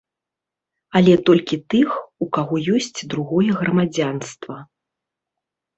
Але толькі тых, у каго ёсць другое грамадзянства.